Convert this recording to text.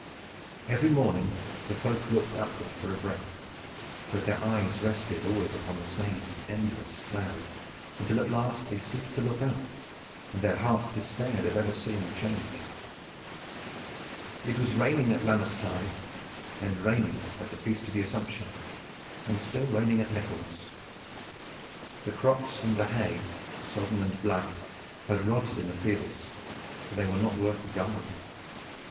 Every morning the folk looked upward for a break, but their eyes rested always upon the same endless cloud, until at last they ceased to look up, and their hearts despaired of ever seeing the change. It was raining at Lammas tide and raining at the Feast of the Assumption and still raining at Michaelmas. The crops and the hay, sodden and black, had rotted in the fields, for they were not worth the garnering.